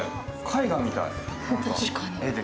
絵画みたい。